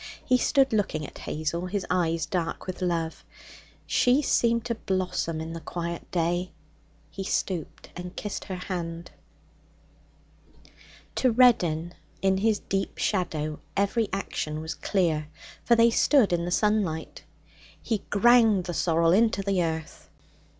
He stood looking at Hazel, his eyes dark with love. She seemed to blossom in the quiet day. He stooped and kissed her hand. To Reddin in his deep shadow every action was clear, for they stood in the sunlight. He ground the sorrel into the earth.